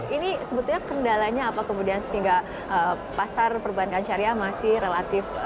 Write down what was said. ini sebetulnya kendalanya apa kemudian sehingga pasar perbankan syariah masih relatif